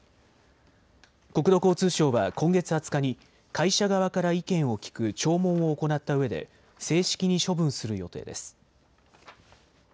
国土交通省は今月２０日に会社側から意見を聞く聴聞を行ったうえで正式に処分する予定です。